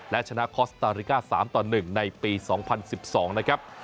และชนะคอสตาริกา๓ต่อ๑ในปี๒๐๑๒นะครับ